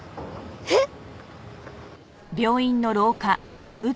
えっ！？